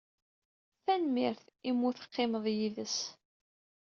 Tanemmirt imu i teqqimeḍ yid-s.